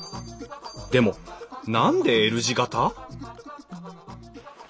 でも何でＬ字形？